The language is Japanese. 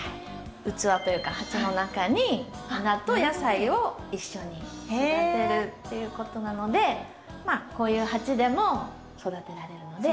器というか鉢の中に花と野菜を一緒に育てるっていうことなのでまあこういう鉢でも育てられるので。